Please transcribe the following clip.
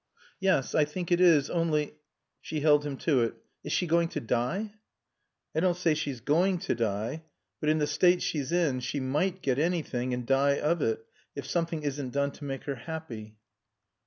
"Yes. I think it is. Only " She held him to it. "Is she going to die?" "I don't say she's going to die. But in the state she's in she might get anything and die of it if something isn't done to make her happy."